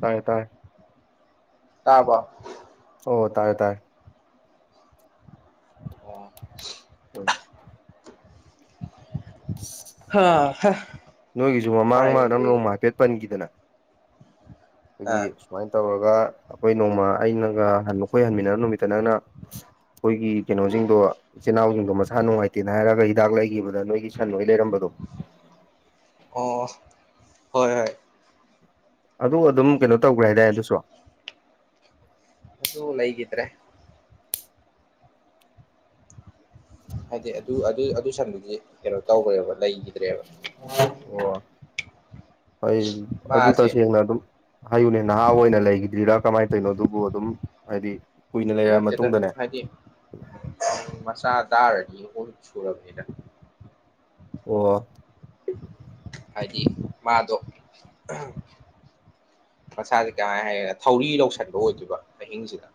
ꯇꯥꯔꯦ ꯇꯥꯔꯦ ꯇꯥꯔꯕꯣ ꯑꯣ ꯇꯥꯔꯦ ꯇꯥꯔꯦ ꯑꯣꯏ ꯅꯣꯏꯒꯤꯖꯨ ꯃꯃꯥꯡ ꯋꯥꯏꯅꯦ ꯃꯥꯗꯝ ꯇꯧꯏꯁꯦ ꯔꯣꯡ ꯃꯥꯔꯛꯦꯠ ꯄꯟꯒꯤꯗꯅ ꯈꯣꯏꯒꯤ ꯑꯥ ꯁꯨꯃꯥꯏ ꯇꯧꯔꯒ ꯑꯩꯈꯣꯏ ꯅꯣꯡꯃ ꯑꯩꯅꯒ ꯑꯩꯈꯣꯏ ꯍꯟꯃꯤꯟꯅꯔꯛ ꯅꯨꯃꯤꯠꯇ ꯅꯪꯅ ꯑꯩꯈꯣꯏꯒꯤ ꯀꯩꯅꯣꯖꯤꯡꯗꯣ ꯏꯆꯤꯟ ꯏꯅꯥꯎꯖꯤꯡꯗꯣ ꯃꯁꯥ ꯅꯨꯡꯉꯥꯏꯇꯦꯅ ꯍꯥꯏꯔꯒ ꯍꯤꯗꯥꯛ ꯂꯩꯒꯤꯕꯗ ꯅꯣꯏꯒꯤ ꯁꯟ ꯂꯣꯏ ꯂꯩꯔꯝꯕꯗꯣ ꯑꯣ ꯍꯣꯏ ꯍꯣꯏ ꯑꯗꯨ ꯑꯗꯨꯝ ꯀꯩꯅꯣ ꯇꯧꯒ꯭ꯔꯦ ꯍꯥꯏꯗꯥꯏ ꯑꯗꯨꯁꯨ ꯑꯗꯨ ꯂꯩꯒꯤꯗ꯭ꯔꯦ ꯍꯥꯏꯗꯤ ꯑꯗꯨ ꯑꯗꯨ ꯑꯗꯨ ꯁꯟꯗꯨꯗꯤ ꯀꯩꯅꯣ ꯇꯧꯒ꯭ꯔꯦꯕ ꯂꯩꯒꯤꯗ꯭ꯔꯦꯕ ꯑꯣ ꯐꯩꯏꯜ ꯑꯗꯨ ꯃꯥꯁꯦ ꯇꯁꯦꯡꯅ ꯑꯗꯨꯝ ꯍꯥꯏꯌꯨꯅꯦ ꯅꯍꯥ ꯑꯣꯏꯅ ꯂꯩꯒꯤꯗ꯭ꯔꯤꯔꯥ ꯀꯃꯥꯏ ꯇꯧꯏꯅꯣ ꯑꯗꯨꯕꯨ ꯑꯗꯨꯝ ꯍꯥꯏꯗꯤ ꯀꯨꯏꯅ ꯂꯩꯔ ꯅꯠꯇꯦꯗ ꯃꯇꯨꯡꯗꯅꯦ ꯍꯥꯏꯗꯤ ꯃꯆꯥ ꯗꯥꯔ ꯑꯅꯤ ꯑꯍꯨꯝ ꯁꯨꯔꯕꯅꯤꯗ ꯑꯣ ꯍꯥꯏꯗꯤ ꯃꯥꯗꯣ ꯃꯁꯥꯖꯦ ꯀꯃꯥꯏ ꯍꯥꯏꯒꯦꯔ ꯊꯧꯔꯤ ꯂꯧꯁꯟꯕ ꯑꯣꯏꯗꯣꯏꯕ ꯑꯍꯤꯡꯖꯤꯗ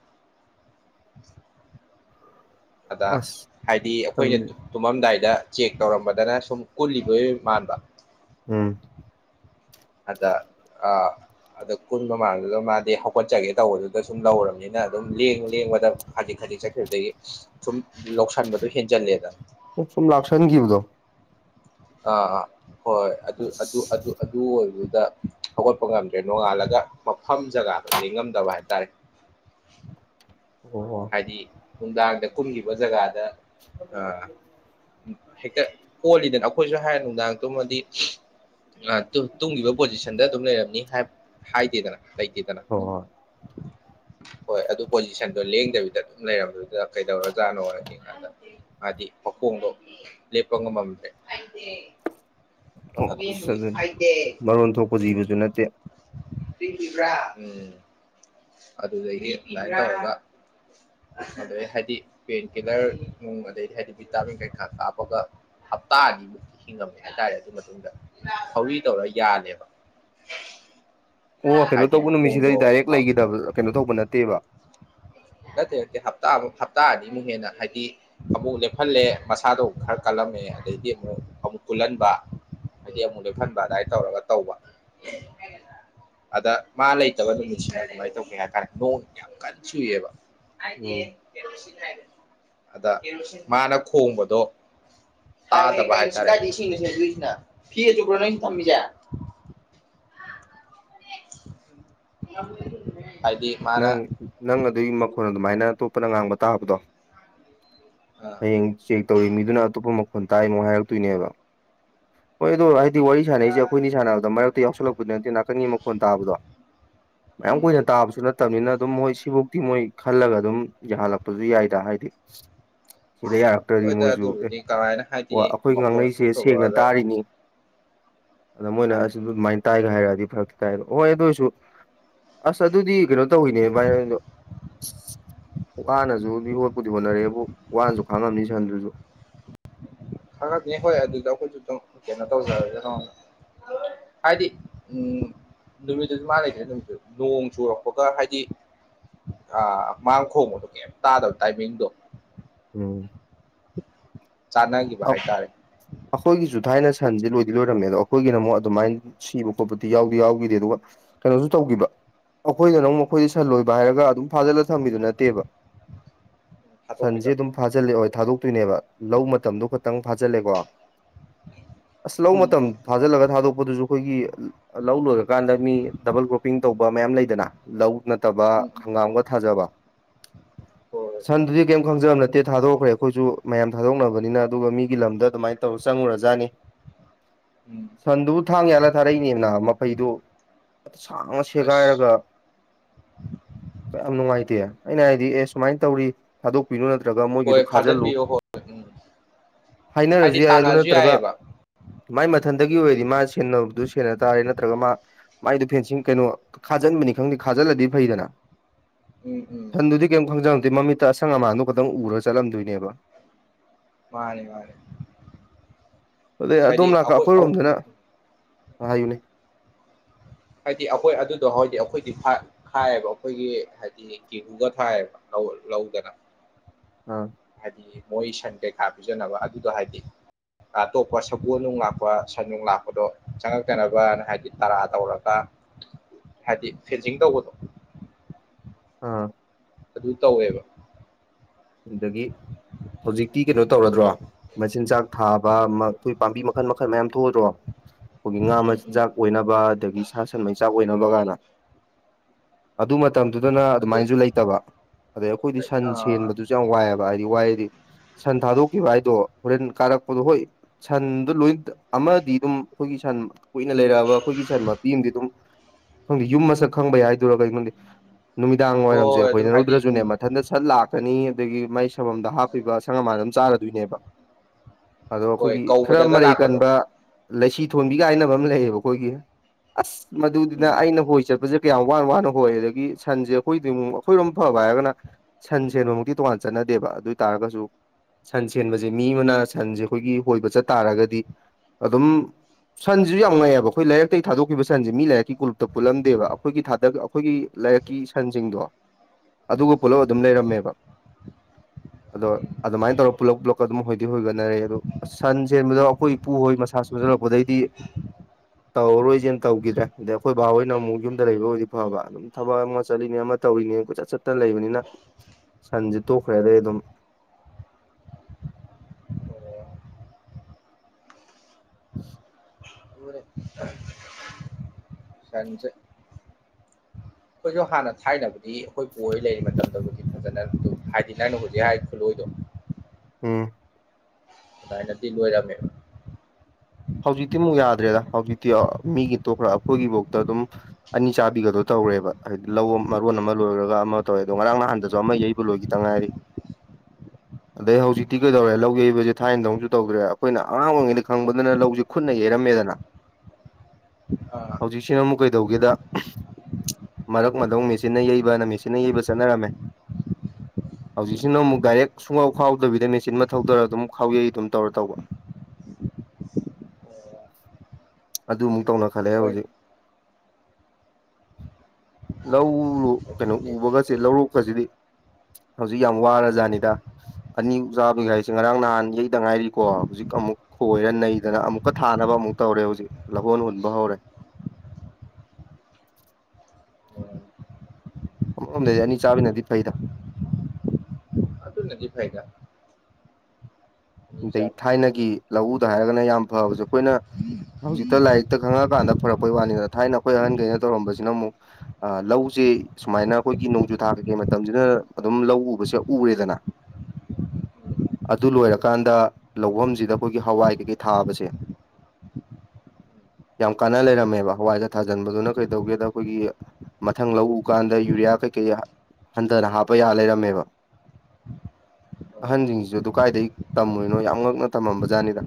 ꯑꯗ ꯑꯁ ꯍꯥꯏꯗꯤ ꯑꯩꯈꯣꯏꯅ ꯑꯗꯨ ꯇꯨꯃꯝꯗꯥꯏꯗ ꯆꯦꯛ ꯇꯧꯔꯝꯕꯗꯅ ꯁꯨꯝ ꯀꯨꯜꯂꯤꯕꯣꯏ ꯃꯥꯟꯕ ꯎꯝ ꯑꯗ ꯑ ꯑꯗ ꯀꯨꯟꯕ ꯃꯥꯡꯗꯨꯗ ꯃꯥꯗꯤ ꯍꯧꯒꯠꯆꯒꯦ ꯇꯧꯕꯗꯨꯗ ꯁꯨꯝ ꯂꯧꯔꯝꯅꯤꯅ ꯑꯗꯨꯝ ꯂꯦꯡ ꯂꯦꯡꯕꯗ ꯈꯖꯤꯛ ꯈꯖꯤꯛ ꯆꯠꯈꯤꯕꯗꯒꯤ ꯁꯨꯝ ꯂꯧꯁꯟꯕꯗꯨ ꯍꯦꯟꯖꯜꯂꯦꯗꯅ ꯁꯨꯝ ꯂꯥꯛꯁꯟꯒꯤꯕꯗꯣ ꯑꯥ ꯑꯥ ꯍꯣꯏ ꯑꯗꯨ ꯑꯗꯨ ꯑꯗꯨ ꯑꯁ ꯑꯗꯨ ꯑꯣꯏꯕꯗꯨꯗ ꯍꯧꯒꯠꯄ ꯉꯝꯗ꯭ꯔꯦ ꯅꯣꯡꯉꯥꯜꯂꯒ ꯃꯐꯝ ꯖꯒꯥꯗꯣ ꯂꯦꯡꯉꯝꯗꯕ ꯍꯥꯏꯇꯥꯔꯦ ꯑꯣ ꯍꯣꯏ ꯍꯥꯏꯗꯤ ꯅꯨꯡꯗꯥꯡꯗ ꯀꯨꯟꯒꯤꯕ ꯖꯒꯥ ꯗ ꯑ ꯍꯦꯛꯇ ꯑꯣꯜꯂꯤꯗꯅ ꯑꯩꯈꯣꯏꯖꯨ ꯍꯥꯏ ꯅꯨꯡꯗꯥꯡ ꯇꯨꯝꯃꯗꯤ ꯑ ꯇꯨꯝ ꯇꯨꯝꯒꯤꯕ ꯄꯣꯖꯤꯁꯟꯗ ꯑꯗꯨꯝ ꯂꯩꯔꯝꯅꯤ ꯍꯥꯏꯞ ꯍꯥꯏꯗꯦꯗꯅ ꯂꯩꯇꯦꯗꯅ ꯍꯣꯏ ꯍꯣꯏ ꯑꯗꯨ ꯄꯣꯖꯤꯁꯟꯗꯣ ꯂꯦꯡ ꯗꯕꯤꯗ ꯑꯗꯨꯝ ꯂꯩꯔꯝꯕꯗꯨꯗ ꯀꯩꯗꯧꯔꯖꯥꯠꯅꯣꯅ ꯌꯦꯡꯀꯥꯟꯗ ꯃꯥꯗꯤ ꯃꯈꯣꯡꯗꯣ ꯂꯦꯞꯄ ꯉꯝꯃꯝꯗ꯭ꯔꯦ ꯑꯣ ꯑꯁ ꯑꯗꯨꯒꯤ ꯑꯗꯨꯅꯤ ꯐꯥꯏꯗꯦ ꯃꯔꯣꯟ ꯊꯣꯛꯄ ꯖꯤꯕꯁꯨ ꯅꯠꯇꯦ ꯄꯤꯛꯂꯤꯕ꯭ꯔꯥ ꯎꯝ ꯑꯗꯨꯗꯒꯤ ꯑꯗꯥꯏ ꯇꯧꯔꯒ ꯑꯗꯩ ꯍꯥꯏꯗꯤ ꯄꯦꯟꯀꯤꯂ꯭ꯔ ꯅꯨꯡ ꯑꯗꯩ ꯍꯥꯏꯗꯤ ꯚꯤꯇꯥꯃꯤꯟ ꯀꯩꯀꯥ ꯀꯥꯞꯄꯒ ꯍꯞꯇꯥ ꯑꯅꯤꯃꯨꯛ ꯍꯤꯡꯉꯝꯃꯦ ꯍꯥꯏꯇꯥꯔꯦ ꯑꯗꯨ ꯃꯇꯨꯡꯗ ꯊꯧꯔꯤ ꯇꯧꯔ ꯌꯥꯜꯂꯦꯕ [inaudible] ꯑꯣ ꯀꯩꯅꯣ ꯍꯥꯏꯗꯤ ꯇꯧꯕ ꯅꯨꯃꯤꯠꯁꯤꯗꯩ ꯃꯈꯣꯡꯗꯣ ꯗꯥꯏꯔꯦꯛ ꯂꯩꯒꯤꯗꯕ ꯀꯩꯅꯣ ꯇꯧꯕ ꯅꯠꯇꯦꯕ ꯅꯠꯇꯦ ꯅꯠꯇꯦ ꯍꯞꯇꯥꯃꯨꯛ ꯍꯞꯇꯥ ꯑꯅꯤꯃꯨꯛ ꯍꯦꯟꯅ ꯍꯥꯏꯗꯤ ꯑꯃꯨꯛ ꯂꯦꯞꯐꯜꯂꯦ ꯃꯁꯥꯗꯣ ꯑꯃꯨꯛ ꯈꯔ ꯀꯜꯂꯝꯃꯦ ꯑꯗꯩꯗꯤ ꯑꯃꯨꯛ ꯑꯃꯨꯛ ꯀꯨꯜꯍꯟꯕ ꯍꯥꯏꯗꯤ ꯑꯃꯨꯛ ꯂꯦꯞꯐꯟꯕ ꯑꯗꯥꯏ ꯇꯧꯔꯒ ꯇꯧꯕ ꯑꯗ ꯃꯥ ꯂꯩꯇꯕ ꯅꯨꯃꯤꯠꯁꯤꯅ ꯀꯃꯥꯏ ꯇꯧꯒꯦ ꯍꯥꯏꯀꯥꯟꯗ ꯅꯣꯡ ꯌꯥꯝ ꯀꯟꯅ ꯆꯨꯏꯑꯦꯕ ꯑꯗ ꯎꯝ ꯃꯥꯅ ꯈꯣꯡꯕꯗꯣ ꯇꯥꯗꯕ ꯍꯥꯏꯇꯥꯔꯦ ꯀꯥꯏꯗꯩ ꯏꯁꯤꯡꯅꯣ ꯁꯤꯗ ꯍꯩꯗꯣꯛꯏꯁꯤꯅ ꯐꯤ ꯑꯆꯣꯠꯄꯔꯣ ꯅꯪ ꯁꯤ ꯊꯝꯃꯤꯁꯦ ꯍꯥꯏꯗꯤ ꯃꯥꯅ ꯅꯪ ꯅꯪ ꯑꯗꯨꯏ ꯃꯈꯣꯟ ꯑꯗꯨꯃꯥꯏꯅ ꯑꯇꯣꯞꯄꯅ ꯉꯥꯡꯕ ꯇꯥꯕꯗꯣ ꯑ ꯍꯌꯦꯡ ꯆꯦꯛ ꯇꯧꯔꯤ ꯃꯤꯗꯨꯅ ꯑꯇꯣꯞꯄ ꯍꯣꯟꯇꯥꯏꯃꯨꯛ ꯍꯥꯏꯔꯛꯇꯣꯏꯅꯦꯕ ꯍꯣꯏ ꯑꯗꯣ ꯍꯥꯏꯗꯤ ꯋꯥꯔꯤ ꯁꯥꯟꯅꯔꯤꯁꯦ ꯑꯩꯈꯣꯏꯅꯤ ꯁꯥꯟꯅꯕꯗ ꯃꯔꯛ ꯌꯥꯎꯁꯜꯂꯛꯄꯗꯨ ꯅꯠꯇꯦ ꯅꯥꯀꯟꯒꯤ ꯃꯈꯣꯟ ꯇꯥꯕꯗꯣ ꯃꯌꯥꯝ ꯎꯝ ꯀꯨꯏꯅ ꯇꯥꯕꯁꯨ ꯅꯠꯇꯦ ꯐꯠꯇꯕꯅꯤꯅ ꯑꯗꯨꯝ ꯃꯣꯏ ꯁꯤꯐꯧꯗꯤꯤ ꯃꯣꯏ ꯈꯜꯂꯒ ꯑꯗꯨꯝ ꯌꯥꯍꯜꯂꯛꯄꯁꯨ ꯌꯥꯏꯗ ꯍꯥꯏꯗꯤ ꯁꯤꯗ ꯌꯥꯔꯛꯇ꯭ꯔꯗꯤ ꯍꯣꯏꯗ ꯃꯣꯏꯁꯨ ꯑꯦ ꯑꯗꯨꯕꯨꯗꯤ ꯀꯃꯥꯏꯅ ꯍꯥꯏꯗꯤ ꯋꯥ ꯑꯩꯈꯣꯏ ꯃꯈꯣꯟ ꯉꯥꯡꯅꯩꯁꯦ ꯁꯦꯡꯅ ꯊꯣꯛꯇꯕꯗ ꯇꯥꯔꯤꯅꯤ ꯑꯗ ꯃꯣꯏꯅ ꯃꯥꯅꯤ ꯑꯁ ꯑꯗꯨꯃꯥꯏꯅ ꯇꯥꯏꯒ ꯍꯥꯏꯔꯛꯑꯗꯤ ꯐꯔꯛꯇꯤ ꯇꯥꯏꯗ ꯍꯣꯏ ꯑꯗꯨ ꯑꯣꯏꯔꯁꯨ ꯑꯁ ꯑꯗꯨꯗꯤ ꯀꯩꯅꯣ ꯇꯧꯤꯅꯦ ꯚꯗꯣ ꯋꯥꯅꯁꯨꯗꯤ ꯍꯣꯠꯄꯨꯗꯤ ꯍꯣꯠꯅꯔꯦꯕꯨ ꯋꯥꯅꯁꯨ ꯈꯥꯡꯉꯝꯅꯤ ꯁꯟꯗꯨꯁꯨ ꯍꯉꯛꯅꯤ ꯍꯣꯏ ꯑꯗꯨꯗ ꯑꯩꯈꯣꯏꯁꯨ ꯑꯗꯨꯝ ꯀꯩꯅꯣ ꯇꯧꯖꯔꯣꯅ ꯍꯥꯏꯗꯤ ꯎꯝ ꯅꯨꯃꯤꯠꯇꯨꯖꯨ ꯃꯥ ꯂꯩꯇꯔꯦ ꯅꯨꯃꯤꯠꯇꯨ ꯅꯣꯡ ꯆꯨꯔꯛꯄꯒ ꯍꯥꯏꯗꯤ ꯑꯥ ꯃꯥꯈꯣꯡꯕꯗꯨ ꯀꯩꯝ ꯇꯥꯗꯕ ꯇꯥꯏꯃꯤꯡꯗꯣ ꯎꯝ ꯆꯥꯟꯅꯈꯤꯕ ꯍꯥꯏꯇꯥꯔꯦ ꯑꯩꯈꯣꯏꯒꯤꯁꯨ ꯊꯥꯏꯅ ꯁꯟꯁꯦ ꯂꯣꯏꯗꯤ ꯂꯣꯏꯔꯝꯃꯦ ꯑꯗꯣ ꯑꯩꯈꯣꯏꯒꯤꯅ ꯑꯃꯨꯛ ꯑꯗꯨꯃꯥꯏꯅ ꯁꯤꯕ ꯈꯣꯠꯄꯗꯤ ꯌꯥꯎꯗꯤ ꯌꯥꯎꯒꯤꯗꯦ ꯑꯗꯨꯒ ꯀꯩꯅꯣꯁꯨ ꯇꯧꯈꯤꯕ ꯑꯩꯈꯣꯏꯗ ꯅꯪ ꯃꯈꯣꯏꯗ ꯁꯟ ꯂꯣꯏꯕ ꯍꯥꯏꯔꯒ ꯑꯗꯨꯝ ꯐꯥꯖꯤꯜꯂ ꯊꯝꯕꯤꯗꯨ ꯅꯠꯇꯦꯕ ꯁꯟꯁꯦ ꯊꯥꯗꯣꯛꯄꯤꯗꯣ ꯑꯗꯨꯝ ꯐꯥꯖꯤꯜꯂꯦ ꯍꯣ ꯊꯥꯗꯣꯛꯇꯣꯏꯅꯦꯕ ꯂꯧ ꯃꯇꯝꯗꯣ ꯈꯛ ꯐꯥꯖꯜꯂꯦꯀꯣ ꯑꯁꯂꯧ ꯃ ꯎꯝ ꯃꯇꯝꯝ ꯊꯥꯖꯤꯜꯂꯒ ꯊꯥꯗꯣꯛꯄꯗꯨꯁꯨ ꯑꯩꯈꯣꯏꯒꯤ ꯂꯧ ꯂꯣꯏꯔꯀꯥꯟꯗ ꯃꯤ ꯗꯕꯜ ꯀ꯭ꯔꯣꯞꯄꯤꯡ ꯇꯧꯕ ꯃꯌꯥꯝ ꯂꯩꯗꯅ ꯂꯧ ꯅꯠꯇꯕ ꯎꯝ ꯎꯝ ꯍꯪꯒꯥꯝꯒ ꯊꯥꯖꯕ ꯍꯣꯏ ꯍꯣꯏ ꯁꯟꯗꯨꯗꯤ ꯀꯦꯝ ꯈꯪꯖꯕ ꯅꯠꯇꯦ ꯊꯥꯗꯣꯛꯈ꯭ꯔꯦ ꯑꯩꯈꯣꯏꯁꯨ ꯃꯌꯥꯝ ꯊꯥꯗꯣꯛꯅꯕꯅꯤꯅ ꯑꯗꯨꯒ ꯃꯤꯒꯤ ꯂꯝꯗ ꯑꯗꯨꯃꯥꯏꯅ ꯇꯧꯔ ꯆꯪꯉꯨꯔꯖꯥꯠꯅꯤ ꯎꯝ ꯁꯟꯗꯨꯕꯨ ꯊꯥꯡ ꯌꯥꯜꯂ ꯊꯥꯔꯛꯏꯅꯦꯅ ꯃꯐꯩꯗꯨ ꯁꯥꯡꯅ ꯑꯁ ꯁꯦꯒꯥꯏꯔꯒ ꯌꯥꯝ ꯅꯨꯡꯉꯥꯏꯇꯦ ꯑꯩꯅ ꯍꯥꯏꯗꯤ ꯑꯦ ꯁꯨꯃꯥꯏꯅ ꯇꯧꯔꯤ ꯊꯗꯣꯛꯄꯤꯅꯣ ꯅꯇ꯭ꯔꯒ ꯍꯣꯏ ꯐꯥꯖꯤꯟꯕꯤꯌꯣ ꯍꯣꯏ ꯍꯣꯏ ꯎꯝ ꯍꯥꯏꯅꯔꯁꯨ ꯍꯥꯏꯗꯤ ꯌꯥꯏ ꯑꯗꯨ ꯇꯥꯟꯅꯔꯁꯨ ꯅꯠꯇ꯭ꯔꯒ ꯌꯥꯏꯑꯕ ꯃꯥꯏ ꯃꯊꯟꯗꯒꯤ ꯑꯣꯏꯔꯗꯤ ꯃꯥ ꯁꯦꯟꯅꯕꯗꯨ ꯁꯦꯟꯅ ꯇꯥꯔꯦ ꯅꯠꯇ꯭ꯔꯒ ꯃꯥ ꯃꯥꯏꯗꯣ ꯐꯦꯟꯁꯤꯡ ꯀꯩꯅꯣ ꯈꯥꯖꯟꯕꯅꯤ ꯈꯪꯗꯦ ꯈꯥꯖꯜꯂꯗꯤ ꯐꯩꯗꯅ ꯎꯝ ꯎꯝ ꯐꯟꯗꯨꯗꯤ ꯀꯩꯝ ꯈꯪꯉꯗꯦ ꯃꯃꯤꯠꯇ ꯑꯁꯪ ꯑꯃꯥꯟꯗꯨꯣ ꯈꯛꯇꯪ ꯎꯔꯒ ꯆꯠꯂꯝꯗꯣꯏꯅꯦꯕ ꯃꯥꯅꯦ ꯃꯥꯅꯦ ꯑꯗꯩ ꯍꯥꯏꯗꯤ ꯑꯗꯣꯝ ꯂꯅꯥꯀ ꯑꯩꯈꯣꯏ ꯑꯩꯈꯣꯏꯔꯣꯝꯗꯅ ꯍꯥꯏꯌꯨꯅꯦ ꯍꯥꯏꯗꯤ ꯑꯩꯈꯣꯏ ꯑꯗꯨꯗꯣ ꯍꯥꯏꯗꯤ ꯑꯩꯈꯣꯏꯗꯤ ꯈꯥꯏꯌꯦꯕ ꯑꯩꯈꯣꯏꯒꯤ ꯍꯥꯏꯗꯤ ꯎꯒ ꯊꯥꯏ ꯂꯎꯗꯅ ꯑꯥ ꯍꯥꯏꯗꯤ ꯃꯣꯏ ꯁꯟ ꯀꯩꯀꯥ ꯄꯤꯖꯅꯕ ꯑꯗꯨꯗꯣ ꯍꯥꯏꯗꯤ ꯑꯇꯣꯞꯄ ꯁꯒꯣꯜ ꯅꯨꯡ ꯂꯥꯛꯄ ꯁꯟꯅꯨꯡ ꯂꯥꯛꯄꯗꯣ ꯆꯪꯉꯛꯇꯅꯕꯅ ꯍꯥꯏꯗꯤ ꯇꯔꯥ ꯇꯧꯔꯒ ꯍꯥꯏꯗꯤ ꯐꯦꯖꯤꯡ ꯇꯧꯕꯗꯣ ꯑꯥ ꯑꯗꯨ ꯇꯧꯋꯦꯕ ꯑꯗꯒꯤ ꯍꯧꯖꯤꯛꯇꯤ ꯀꯩꯅꯣ ꯇꯧꯔꯗ꯭ꯔꯣ ꯃꯆꯤꯟꯖꯥꯛ ꯊꯥꯕ ꯑꯩꯈꯣꯏ ꯄꯥꯝꯕꯤ ꯃꯈꯜ ꯃꯈꯜ ꯃꯌꯥꯝ ꯊꯣꯛꯑꯗ꯭ꯔꯣ ꯑꯩꯈꯣꯏꯒꯤ ꯉꯥ ꯎꯝ ꯎꯝ ꯃꯆꯥꯛ ꯑꯣꯏꯅꯕ ꯑꯗꯒꯤ ꯁꯥ ꯁꯟ ꯃꯩꯆꯥꯛ ꯑꯣꯏꯅꯕ ꯀꯥꯟꯅ ꯑꯗꯨ ꯃꯇꯝꯗꯨꯗꯅ ꯑꯗꯨꯅꯤ ꯑꯗꯨꯃꯥꯏꯅꯁꯨ ꯂꯩꯇꯕ ꯑꯗꯩ ꯑꯩꯈꯣꯏꯗꯤ ꯂꯥꯏꯛ ꯁꯟ ꯑꯥ ꯁꯦꯟꯕꯗꯨꯁꯨ ꯌꯥꯝ ꯋꯥꯏꯑꯕ ꯍꯥꯏꯗꯤ ꯋꯥꯏꯗꯤ ꯁꯟ ꯊꯥꯗꯣꯛꯈꯤꯕ ꯍꯥꯏꯗꯣ ꯍꯣꯔꯦꯟ ꯀꯥꯔꯛꯄꯗꯣ ꯍꯣꯏ ꯁꯟꯗꯣ ꯂꯣꯏ ꯑꯃꯗꯤ ꯑꯗꯨꯝ ꯑꯩꯈꯣꯏꯒꯤ ꯁꯟ ꯀꯨꯏꯅ ꯂꯩꯔꯛꯑꯕ ꯑꯩꯈꯣꯏꯒꯤ ꯁꯟ ꯃꯄꯤ ꯑꯃꯗꯤ ꯑꯗꯨꯝ ꯈꯪꯗꯦ ꯌꯨꯝ ꯃꯁꯛ ꯈꯪꯕ ꯌꯥꯏ ꯍꯥꯏꯗꯨꯔꯒ ꯑꯩꯉꯣꯟꯗꯤ ꯅꯨꯃꯤꯗꯥꯡ ꯍꯣꯏ ꯋꯥꯏꯔꯝꯁꯦ ꯍꯣꯏ ꯑꯗꯨꯝ ꯍꯥꯏꯗꯤ ꯈꯣꯏꯅꯍꯧꯗ꯭ꯔꯁꯨꯅꯦ ꯎꯝ ꯃꯊꯟꯇ ꯁꯠ ꯂꯥꯛꯀꯅꯤ ꯑꯗꯒꯤ ꯃꯥꯏ ꯁꯥꯐꯝꯝꯗ ꯍꯥꯞꯄꯤꯕ ꯁꯪ ꯑꯃꯥꯟ ꯑꯃ ꯆꯥꯔꯗꯣꯏꯅꯦꯕ ꯑꯗꯣ ꯍꯣꯏ ꯑꯩꯈꯣꯏꯒꯤ ꯈꯔ ꯀꯧꯕꯗꯒ ꯃꯔꯩ ꯂꯥꯛꯄꯗꯣ ꯀꯟꯕ ꯂꯩꯁꯤ ꯊꯣꯟꯕꯤꯒ ꯍꯥꯏꯅꯕ ꯑꯃ ꯂꯩꯌꯦꯕ ꯑꯩꯈꯣꯏꯒꯤ ꯑꯁ ꯃꯗꯨꯗꯨꯅ ꯎꯝ ꯑꯩꯅ ꯍꯣꯏ ꯆꯠꯄꯖꯦ ꯀꯌꯥꯝ ꯋꯥꯅ ꯋꯥꯅ ꯍꯣꯏ ꯑꯗꯒꯤ ꯁꯟꯁꯦ ꯑꯩꯈꯣꯏꯗꯤꯃꯛ ꯑꯩꯈꯣꯏꯔꯣꯝ ꯐꯕ ꯍꯥꯏꯔꯒꯅ ꯁꯟ ꯁꯦꯅꯃꯨꯛꯇꯤ ꯇꯣꯉꯥꯟ ꯆꯠꯅꯗꯦꯕ ꯑꯗꯨ ꯑꯣꯏ ꯇꯥꯔꯒꯁꯨ ꯁꯟ ꯁꯦꯟꯕꯁꯦ ꯃꯤ ꯑꯃꯅ ꯁꯟꯁꯦ ꯑꯩꯈꯣꯏꯒꯤ ꯍꯣꯏꯕ ꯆꯠ ꯇꯥꯔꯒꯗꯤ ꯑꯗꯨꯝ ꯁꯟꯖꯤꯁꯨ ꯌꯥꯝ ꯉꯛꯑꯦꯕ ꯑꯩꯈꯣꯏ ꯂꯥꯏꯔꯛꯇꯒꯤ ꯊꯥꯗꯣꯛꯈꯤꯕ ꯁꯟꯖꯦ ꯃꯤ ꯂꯥꯏꯔꯛꯀꯤ ꯀꯣꯂꯨꯞꯇ ꯄꯨꯜꯂꯝꯗꯦꯕ ꯑꯩꯈꯣꯏꯒꯤ ꯊꯥꯗꯛ ꯑꯩꯈꯣꯏꯒꯤ ꯂꯥꯏꯔꯛ ꯀꯀꯤ ꯁꯟꯁꯤꯡꯗꯣ ꯑꯗꯨꯒ ꯄꯨꯂꯞ ꯑꯗꯨꯝ ꯂꯩꯔꯝꯃꯦꯕ ꯑꯗꯣ ꯎꯝ ꯑꯗꯨꯃꯥꯏꯅ ꯇꯧꯔꯒ ꯄꯨꯂꯞ ꯄꯨꯂ ꯑꯗꯨꯝ ꯍꯣꯏꯗꯤ ꯍꯣꯏꯒꯠꯅꯔꯦ ꯑꯗꯣ ꯁꯟ ꯆꯦꯟꯕꯗ ꯑꯩꯈꯣꯏ ꯏꯄꯨ ꯍꯣꯏ ꯃꯁꯥ ꯁꯣꯟꯖꯜꯂꯛꯄꯗꯩꯗꯤ ꯇꯧꯔꯣꯏꯁꯦꯅ ꯇꯧꯈꯤꯗ꯭ꯔꯦ ꯑꯗꯩ ꯑꯩꯈꯣꯏ ꯕꯥ ꯍꯣꯏꯅ ꯑꯃꯨꯛ ꯌꯨꯝꯗ ꯂꯩꯕꯕꯨꯔꯗꯤ ꯐꯕ ꯊꯕꯛ ꯑꯃ ꯆꯠꯂꯤꯅꯦ ꯑꯃ ꯇꯧꯔꯤꯅꯦ ꯀꯣꯏꯆꯠ ꯆꯠꯇꯅ ꯂꯩꯕꯅꯤꯅ ꯁꯟꯁꯦ ꯇꯣꯛꯈ꯭ꯔꯦ ꯑꯗꯩ ꯑꯗꯨꯝ [inaudible] [unintelligible] ꯁꯟꯖ ꯑꯩꯈꯣꯏꯖꯨ ꯍꯥꯟꯅ ꯊꯥꯏꯅꯕꯨꯗꯤ ꯑꯩꯈꯣꯏ ꯄꯨ ꯍꯣꯏ ꯂꯩꯔꯤ ꯃꯇꯝꯗꯕꯨꯗꯤ ꯐꯖꯅ ꯑꯗꯨꯝ ꯍꯥꯏꯗꯤ ꯅꯪ ꯍꯧꯖꯤꯛ ꯎꯝ ꯍꯥꯏ ꯈꯨꯂꯣꯏꯗꯣ ꯎꯝ꯫ ꯊꯥꯏꯅꯗꯤ ꯂꯣꯏꯔꯝꯃꯦꯕ ꯍꯧꯖꯤꯛꯇꯤ ꯑꯃꯨꯛ ꯌꯥꯗ꯭ꯔꯦꯗ ꯍꯧꯖꯤꯛꯇꯤ ꯃꯤꯒꯤ ꯇꯣꯛꯈ꯭ꯔ ꯑꯩꯈꯣꯏꯒꯤꯕꯥꯎꯇ ꯑꯗꯨꯝ ꯑꯅꯤ ꯆꯥꯕꯤꯒꯗꯣ ꯇꯧꯔꯦꯕ ꯍꯥꯏꯗꯤ ꯂꯧ ꯃꯔꯣꯟ ꯑꯃ ꯂꯣꯏꯔꯒ ꯑꯃ ꯇꯧꯋꯦ ꯑꯗꯣ ꯉꯔꯥꯡ ꯅꯍꯥꯟꯗꯁꯨ ꯑꯃ ꯌꯩꯕ ꯂꯣꯏꯒꯤ ꯇꯉꯥꯏꯔꯤ [inaudible] ꯑꯗꯩ ꯍꯧꯖꯤꯛꯇꯤ ꯀꯩꯗꯧꯔꯦ ꯂꯧ ꯌꯩꯕꯖꯦ ꯊꯥꯏꯅꯗꯧꯅꯖꯨ ꯇꯧꯗ꯭ꯔꯦ ꯑꯩꯈꯣꯏꯅ ꯑꯉꯥꯡ ꯑꯣꯏꯉꯩꯗ ꯈꯪꯕ ꯑꯗꯨꯅ ꯂꯧꯖꯤ ꯈꯨꯠꯅ ꯌꯩꯔꯝꯃꯦꯗꯅ ꯑꯥ ꯍꯧꯖꯤꯛꯁꯦ ꯑꯃꯨꯛ ꯀꯩꯗꯧꯒꯦꯗ ꯃꯔꯛ ꯃꯧ ꯃꯦꯆꯤꯟꯅ ꯌꯩꯕꯅ ꯃꯦꯆꯤꯟꯅ ꯌꯩꯕ ꯆꯠꯅꯔꯝꯃꯦ ꯍꯧꯖꯤꯛꯁꯤꯅ ꯑꯃꯨꯛ ꯗꯥꯏꯔꯦꯛ ꯁꯨꯡꯒꯧ ꯈꯥꯎꯗꯕꯤꯗ ꯃꯦꯆꯤꯟ ꯃꯊꯧꯗꯔꯒ ꯑꯗꯨꯝ ꯈꯥꯎꯖꯩ ꯑꯗꯨꯝ ꯇꯧꯔ ꯇꯧꯕ ꯑꯗꯨꯃꯨꯛ ꯇꯧꯅ ꯈꯜꯂꯦ ꯍꯣꯏ ꯍꯧꯖꯤꯛ ꯂꯧꯔꯣꯛ ꯀꯩꯅꯣ ꯍꯧꯖꯤꯛꯇꯤ ꯎꯕꯀꯁꯦ ꯂꯧꯔꯣꯛꯀꯁꯤꯗꯤ ꯍꯧꯖꯤꯛ ꯌꯥꯝ ꯋꯥꯔꯖꯥꯅꯤꯗ ꯑꯅꯤꯃꯨꯛ ꯆꯥꯕ ꯍꯥꯏꯔꯤꯁꯦ ꯉꯔꯥꯡ ꯅꯍꯥꯟ ꯌꯩꯛꯇ ꯉꯥꯏꯔꯤꯀꯣ ꯍꯧꯖꯤꯛ ꯑꯃꯨꯛ ꯈꯣꯏꯔ ꯅꯩ ꯑꯗꯨꯅ ꯑꯃꯨꯛꯀ ꯊꯥꯅꯕ ꯑꯃꯨꯛ ꯇꯧꯔꯦ ꯍꯧꯖꯤꯛ ꯂꯍꯣꯟ ꯍꯨꯟꯕ ꯍꯧꯔꯦ ꯎꯝ ꯑꯃꯔꯝꯗꯗꯤ ꯑꯅꯤ ꯆꯥꯕꯅꯗꯤ ꯐꯩꯗ ꯈꯨꯠꯅꯗꯤ ꯐꯩꯗ ꯑꯅꯤ ꯑꯗꯩ ꯆꯥꯕ ꯁꯨꯔꯗꯤ ꯊꯥꯏꯅꯒꯤ ꯂꯧꯎꯗ ꯍꯥꯏꯔꯒꯅ ꯌꯥꯝ ꯐꯕꯁꯦ ꯑꯩꯈꯣꯏꯅ ꯍꯧꯖꯤꯛꯇ ꯂꯥꯏꯔꯤꯛꯇ ꯈꯪꯉꯛꯀꯥꯟꯗ ꯐꯔꯛꯄꯩ ꯋꯥꯅꯤꯗ ꯊꯥꯏꯅ ꯑꯩꯈꯣꯏ ꯑꯍꯟꯈꯩꯅ ꯇꯧꯔꯝꯕꯁꯤꯅ ꯑꯃꯨꯛ ꯑ ꯂꯧꯖꯤ ꯁꯨꯃꯥꯏꯅ ꯑꯩꯈꯣꯏꯒꯤ ꯅꯣꯡꯖꯨ ꯊꯥ ꯀꯩ ꯀꯩ ꯃꯇꯝꯖꯤꯅ ꯑꯗꯨꯝ ꯂꯧ ꯎꯕꯁꯦ ꯎꯔꯦꯗꯅ [inaudible] ꯑꯗꯨ ꯂꯣꯏꯔꯛ ꯀꯥꯟꯗ ꯂꯧꯕꯝꯁꯤꯗ ꯑꯩꯈꯣꯏꯒꯤ ꯍꯋꯥꯏ ꯀꯩꯀꯩ ꯊꯥꯕꯁꯦ ꯎꯝ ꯌꯥꯝ ꯀꯥꯟꯅ ꯂꯩꯔꯝꯃꯦꯕ ꯍꯋꯥꯏꯒ ꯊꯥꯖꯟꯕꯗꯨꯅ ꯀꯩꯗꯧꯒꯦꯗ ꯑꯩꯈꯣꯏꯒꯤ ꯃꯊꯪ ꯂꯧ ꯎꯀꯥꯟꯗ ꯌꯨꯔꯤꯌꯥ ꯀꯩꯀꯩ ꯍꯟꯊꯅ ꯍꯥꯞꯄ ꯌꯥ ꯂꯩꯔꯝꯃꯦꯕ ꯑꯣ ꯑꯍꯟꯖꯤꯡꯁꯤꯁꯨ ꯑꯗꯨ ꯀꯥꯏꯗꯩ ꯇꯝꯃꯨꯏꯅꯣ ꯌꯥꯝ ꯉꯛꯅ ꯇꯝꯃꯝꯕ ꯖꯥꯠꯅꯤꯗ꯫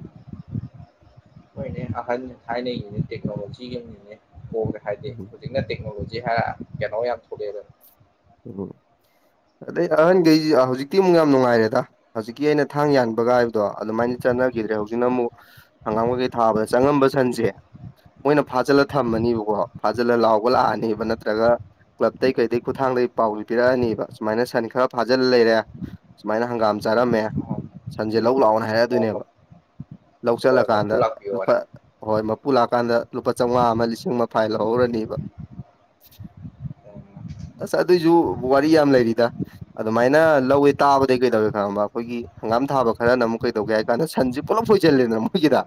ꯑꯍꯟ ꯊꯥꯏꯅꯩꯒꯤꯅꯦ ꯇꯦꯛꯅꯣꯂꯣꯖꯤꯅꯤꯅꯦ [unintelligible] ꯍꯥꯏꯗꯤ ꯎꯝ ꯍꯧꯖꯤꯛꯅ ꯇꯦꯛꯅꯣꯂꯣꯖꯤ ꯍꯥꯏꯔ ꯀꯩꯅꯣ ꯌꯥꯝ ꯊꯣꯛꯂꯛꯑꯦꯗꯅ ꯎꯝ ꯑꯗꯩ ꯑꯍꯟꯈꯩ ꯍꯧꯖꯤꯛꯇꯤ ꯑꯃꯨꯛ ꯌꯥꯝ ꯅꯨꯡꯉꯥꯏꯔꯦꯗ ꯍꯧꯖꯤꯛꯀꯤ ꯑꯩꯅ ꯊꯥꯡ ꯌꯥꯟꯕꯒ ꯍꯥꯏꯕꯗꯣ ꯑꯗꯨꯃꯥꯏꯅ ꯆꯠꯅꯈꯤꯗ꯭ꯔꯦ ꯍꯧꯖꯤꯛꯅ ꯎꯝ ꯑꯃꯨꯛ ꯍꯪꯒꯥꯝꯈꯩꯈꯩ ꯊꯥꯕꯗ ꯆꯪꯉꯝꯕ ꯁꯟꯁꯦ ꯃꯣꯏꯅ ꯐꯥꯖꯤꯜꯂ ꯊꯝꯃꯅꯤꯕꯀꯣ ꯐꯥꯖꯤꯜꯂ ꯂꯥꯎꯕ ꯂꯥꯛꯑꯅꯦꯕ ꯅꯠꯇ꯭ꯔꯒ ꯀ꯭ꯂꯕꯇꯩ ꯀꯩꯗꯩ ꯈꯨꯠꯊꯥꯡꯗ ꯄꯥꯎꯖꯤ ꯄꯤꯔꯛꯑꯅꯤꯕ ꯁꯨꯃꯥꯏꯅ ꯁꯟ ꯈꯔ ꯐꯥꯖꯤꯜꯂ ꯂꯩꯔꯦ ꯁꯨꯃꯥꯏꯅ ꯍꯪꯒꯥꯝ ꯆꯥꯔꯝꯃꯦ ꯎꯝ ꯁꯟꯁꯦ ꯂꯧ ꯂꯥꯛꯑꯣꯅ ꯑꯣ ꯑꯣ ꯍꯥꯏꯔꯛꯑꯗꯣꯏꯅꯦꯕ ꯂꯧ ꯍꯣꯏ ꯆꯜꯂꯀꯥꯟꯗ ꯃꯄꯨ ꯂꯨꯄꯥ ꯂꯥꯛꯄꯤꯌꯣꯅ ꯍꯣꯏ ꯃꯄꯨ ꯂꯥꯛꯀꯥꯟꯗ ꯂꯨꯄꯥ ꯆꯧꯉꯥ ꯑꯃ ꯂꯤꯁꯤꯡ ꯑꯃ ꯐꯥꯏꯜ ꯂꯧꯍꯧꯔꯅꯤꯕ ꯑꯁ ꯑꯗꯨꯏꯖꯨ ꯋꯥꯔꯤ ꯌꯥꯝ ꯂꯩꯔꯤꯗ꯫ ꯑꯗꯨꯃꯥꯏꯅ ꯂꯧꯋꯦ ꯇꯥꯕꯗꯒꯤ ꯀꯩꯗꯧꯋꯦ ꯈꯪꯔꯕ ꯑꯩꯈꯣꯏꯒꯤ ꯍꯪꯒꯥꯝ ꯊꯥꯕ ꯈꯔꯅ ꯑꯃꯨꯛ ꯀꯩꯗꯧꯒꯦ ꯍꯥꯏ ꯀꯥꯟꯗ ꯁꯟꯖꯤ ꯄꯨꯂꯞ ꯁꯣꯏꯁꯤꯂꯦꯅ ꯃꯣꯏꯒꯤꯗ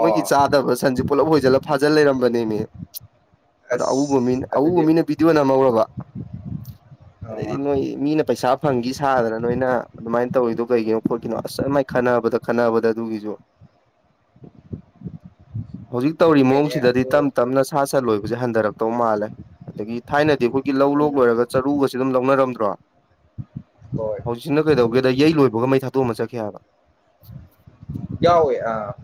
ꯃꯣꯏꯒꯤ ꯆꯥꯗꯕ ꯁꯟꯖꯦ ꯄꯨꯂꯞ ꯍꯣꯏꯖꯜꯂ ꯐꯥꯖꯜ ꯂꯩꯔꯝꯕꯅꯦꯃꯤ ꯑꯗꯣ ꯑꯎꯕ ꯑꯁ ꯃꯤꯅ ꯑꯎꯕ ꯑꯗꯨꯗꯤ ꯃꯤꯅ ꯕꯤꯗꯤꯑꯣ ꯅꯝꯍꯧꯔꯕ [inaudible] ꯑꯗꯩꯗꯤ ꯅꯣꯏ ꯃꯤꯅ ꯄꯩꯁꯥ ꯐꯪꯒꯤ ꯁꯥꯗꯅ ꯅꯣꯏꯅ ꯑꯗꯨꯃꯥꯏꯅ ꯇꯧꯔꯤꯗꯣ ꯀꯩꯒꯤꯅꯣ ꯈꯣꯠꯀꯤꯅꯣ ꯑꯁ ꯈꯠꯅꯕꯗ ꯈꯠꯅꯕꯗ ꯑꯗꯨꯒꯤꯁꯨ [inaudible] ꯍꯧꯖꯤꯛ ꯇꯧꯔꯤ ꯍꯣꯏꯅꯦ ꯃꯑꯣꯡꯁꯤꯗꯗꯤ ꯇꯞ ꯑꯗꯨ ꯇꯞꯅ ꯁꯥ ꯁꯟ ꯂꯣꯏꯕꯁꯦ ꯍꯟꯊꯔꯛꯇꯧ ꯃꯥꯜꯂꯦ ꯑꯗꯒꯤ ꯊꯥꯏꯅꯗꯤ ꯑꯩꯈꯣꯏꯒꯤ ꯂꯧ ꯂꯣꯛ ꯎꯝ ꯂꯣꯏꯔꯒ ꯆꯔꯨꯒꯁꯤ ꯑꯗꯨꯝ ꯂꯧꯅꯔꯝꯗ꯭ꯔꯣ ꯍꯣꯏ ꯍꯧꯖꯤꯛꯁꯤꯅ ꯀꯩꯗꯧꯒꯦꯗ ꯌꯩ ꯂꯣꯏꯕꯒ ꯃꯩ ꯊꯥꯗꯑ ꯑꯃ ꯆꯠꯈꯤ ꯍꯥꯏꯕ [unintelligible] ꯌꯥꯎꯋꯦ ꯑꯥ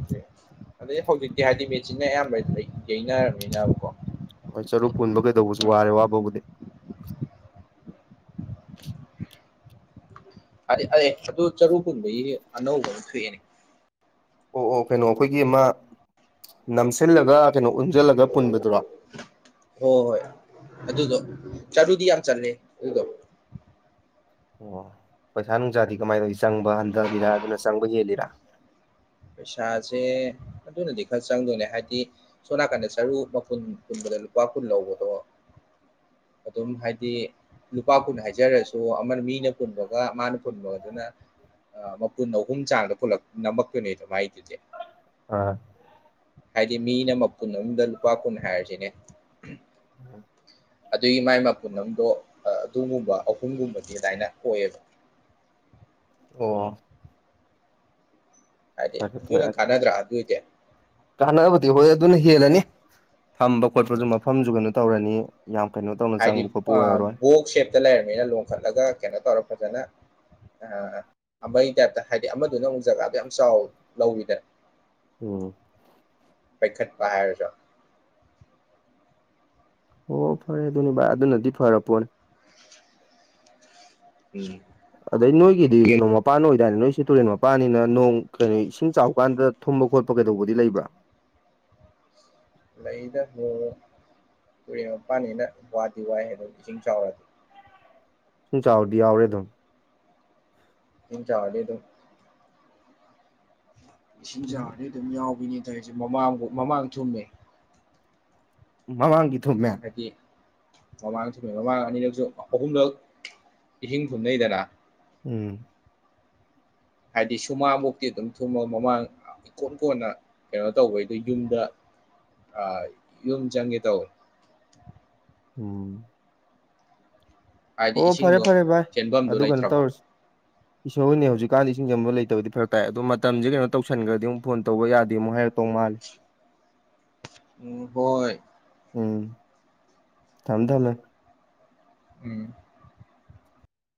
ꯑꯗꯩ ꯍꯧꯖꯤꯛꯇꯤ ꯍꯥꯏꯗꯤ ꯃꯦꯆꯤꯟꯅ ꯑꯌꯥꯝꯕ ꯌꯅꯔꯕꯅꯤꯅꯕꯀꯣ ꯍꯣꯏ ꯆꯔꯨ ꯄꯨꯟꯕ ꯀꯩꯗꯧꯕꯖꯤ ꯋꯥꯔꯦ ꯋꯥꯕꯕꯨꯗꯤ꯫ ꯍꯥꯏꯗꯤ ꯑ ꯑꯗꯨ ꯆꯔꯨ ꯄꯨꯟꯕꯒꯤ ꯑꯅꯧꯕ ꯑꯃ ꯊꯣꯛꯑꯅꯦ꯫ ꯑꯣ ꯑꯣ ꯀꯩꯅꯣ ꯑꯩꯈꯣꯏꯒꯤ ꯑꯃ ꯅꯝꯁꯤꯜꯂꯒ ꯀꯩꯅꯣ ꯎꯟꯖꯜꯂꯒ ꯄꯨꯟꯕꯗꯨꯔꯣ꯫ ꯍꯣꯏ ꯍꯣꯏ ꯑꯗꯨꯗꯣ ꯆꯔꯨꯗꯤ ꯌꯥꯝ ꯆꯂꯦ ꯑꯗꯨꯗꯣ ꯑꯣ ꯄꯩꯁꯥ ꯅꯨꯡꯁꯥꯗꯤ ꯀꯃꯥꯏꯅ ꯇꯧꯋꯔꯤ ꯆꯪꯕ ꯍꯟꯊꯔꯤꯔꯥ ꯑꯗꯨꯅ ꯆꯪꯕ ꯍꯦꯜꯂꯤꯔꯥ ꯄꯩꯁꯥꯁꯦ ꯑꯗꯨꯅꯗꯤ ꯈꯔ ꯆꯪꯗꯣꯏꯅꯦ ꯍꯥꯏꯗꯤ ꯁꯣꯝ ꯅꯥꯀꯟꯗ ꯁꯔꯨ ꯃꯨꯟꯒꯨꯟꯕꯗ ꯂꯨꯄꯥ ꯀꯨꯟ ꯂꯧꯕꯗꯣ ꯑꯗꯨꯝ ꯍꯥꯏꯗꯤ ꯂꯨꯄꯥ ꯀꯨꯟ ꯍꯥꯏꯖꯔꯁꯨ ꯑꯃꯅ ꯃꯤꯅ ꯄꯨꯟꯕꯒ ꯃꯥꯅ ꯄꯨꯟꯕꯒꯗꯨꯅ ꯃꯄꯨꯟ ꯑꯍꯨꯝ ꯆꯥꯡꯗ ꯅꯝꯃꯛꯇꯣꯏꯅꯦꯗ ꯃꯥꯏꯗꯨꯗꯤ ꯍ [unintelligible] ꯍꯥꯏꯗꯤ ꯃꯤꯅ ꯃꯄꯨꯟ ꯑꯃꯗ ꯂꯨꯄꯥ ꯀꯨꯟ ꯍꯥꯏꯔꯖꯤꯅꯦ ꯎꯝ [unintelligible] ꯑꯗꯨꯒꯤ ꯃꯥꯏ ꯃꯄꯨꯟ ꯑꯝꯗꯣ ꯑꯗꯨꯒꯨꯝꯕ ꯑꯍꯨꯝꯒꯨꯝꯕꯗꯤ ꯑꯗꯥꯏꯅ ꯑꯣꯏꯌꯦꯕ꯫ ꯑꯣ ꯍꯥꯏꯗꯤ ꯐꯔꯦ ꯑꯗꯨ ꯐꯔꯦ ꯅꯪ ꯀꯥꯟꯅꯗ꯭ꯔꯥ ꯑꯗꯨꯏꯗꯤ ꯀꯥꯟꯅꯕꯗꯤ ꯍꯣꯏ ꯑꯗꯨꯅ ꯍꯦꯜꯂꯅꯤ ꯊꯝꯕ ꯈꯣꯠꯄꯖꯨ ꯃꯐꯝꯖꯨ ꯀꯩꯅꯣ ꯇꯧꯔꯅꯤ ꯌꯥꯝ ꯀꯩꯅꯣ ꯇꯧꯅ ꯆꯪꯕ ꯈꯣꯠꯄ ꯑꯣꯏꯔꯔꯣꯏ [unintelligible] ꯂꯩꯔꯃꯤꯅ ꯂꯣꯡꯈꯠꯂꯒ ꯀꯩꯅꯣ ꯇꯧꯔ ꯐꯖꯅ ꯑ ꯑꯃꯒꯤ ꯇꯥꯏꯞꯇ ꯍꯥꯏꯗꯤ ꯑꯃꯗꯨꯅ ꯑꯃꯨꯛ ꯖꯒꯥꯗꯣ ꯌꯥꯝ ꯆꯥꯎ ꯂꯧꯋꯤꯗ ꯎꯝ ꯄꯥꯏꯈꯠꯄ ꯍꯥꯏꯔꯁꯨ ꯑꯣ ꯐꯔꯦ ꯑꯗꯨꯅꯤ ꯚꯥꯏ ꯑꯗꯨꯅꯗꯤ ꯐꯔꯄꯣꯠꯅꯤ꯫ ꯎꯝ [unintelligible] ꯑꯗꯩ ꯅꯣꯏꯒꯤꯗꯤ ꯀꯩꯅꯣ ꯃꯄꯥꯟ ꯑꯣꯏꯗꯥꯏꯅꯦ ꯅꯣꯏꯁꯦ ꯇꯨꯔꯦꯟ ꯃꯄꯥꯟꯅꯤꯅ ꯅꯣꯡ ꯀꯩꯅꯣ ꯏꯁꯤꯡ ꯆꯥꯎꯕ ꯀꯥꯟꯗ ꯊꯨꯝꯕ ꯈꯣꯠꯄ ꯀꯩꯗꯧꯕꯗꯤ ꯂꯩꯕ꯭ꯔꯥ ꯂꯩꯗ ꯍꯣꯡ ꯇꯨꯔꯦꯟ ꯃꯄꯥꯟꯅꯤꯅ ꯋꯥꯗꯤ ꯋꯥꯏ ꯍꯥꯏꯕ ꯏꯁꯤꯡ ꯆꯥꯎꯔꯛꯑꯗꯤ꯫ ꯁꯨꯝ ꯆꯥꯎꯗꯤ ꯌꯥꯎꯔꯦ ꯑꯗꯨꯝ ꯏꯁꯤꯛ ꯆꯥꯎꯔꯗꯤ ꯑꯗꯨꯝ ꯏꯁꯤꯡ ꯆꯥꯎꯔꯗꯤ ꯑꯗꯨꯝ ꯌꯥꯎꯕꯅꯤ ꯇꯧꯖꯦ ꯃꯃꯥꯡ ꯃꯃꯥꯡ ꯊꯨꯝꯃꯦ ꯃꯃꯥꯡꯒꯤ ꯊꯨꯝꯃꯦ ꯍꯥꯏꯗꯤ ꯃꯃꯥꯡꯁꯨꯨꯝ ꯃꯃꯥꯡ ꯑꯅꯤꯂꯛꯁꯨ ꯑꯍꯨꯝꯂꯛ ꯏꯁꯤꯡ ꯊꯨꯝꯅꯩꯗꯅ ꯎꯝ ꯍꯥꯏꯗꯤ ꯁꯨꯃꯥꯡ ꯃꯨꯛꯇꯤ ꯑꯗꯨꯝ ꯊꯨꯝꯃ ꯃꯃꯥꯡ ꯏꯀꯣꯟ ꯀꯣꯟꯅ ꯀꯩꯅꯣ ꯇꯧꯕꯩꯗ ꯌꯨꯝꯗ ꯌꯨꯝ ꯆꯪꯒꯦ ꯇꯧ ꯎꯝ ꯍꯥꯏꯗꯤ ꯑꯣ ꯐꯔꯦ ꯏꯁꯤꯡꯗꯣ ꯐꯔꯦ ꯚꯥꯏ ꯆꯦꯟꯕꯝꯗꫭ ꯑꯗꯨ ꯀꯩꯅꯣ ꯂꯩꯇ꯭ꯔꯕ ꯇꯧꯔꯁꯤ ꯏꯁꯣꯔꯅꯦ ꯍꯧꯖꯤꯛꯀꯥꯟꯗꯤ ꯏꯁꯤꯡꯖꯪꯕ ꯂꯩꯇꯕꯗꯤ ꯐꯔꯛ ꯇꯥꯏ ꯑꯗꯣ ꯃꯇꯝꯁꯦ ꯀꯩꯅꯣ ꯇꯧꯁꯤꯟꯈ꯭ꯔꯗꯤ ꯑꯃꯨꯛ ꯐꯣꯟ ꯇꯧꯕ ꯌꯥꯗꯦ ꯑꯃꯨꯛ ꯍꯥꯏꯔꯛꯇꯧ ꯃꯥꯂꯜꯂꯤ ꯎꯝ ꯍꯣꯏ ꯎꯝ ꯊꯝ ꯊꯝꯃꯦ ꯎꯝ